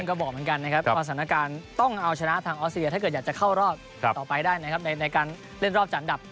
ก็บอกเหมือนกันนะครับว่าสถานการณ์ต้องเอาชนะทางออสเลียถ้าเกิดอยากจะเข้ารอบต่อไปได้นะครับในการเล่นรอบจัดอันดับ